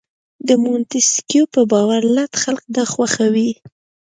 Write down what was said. د مونتیسکیو په باور لټ خلک دا خوښوي.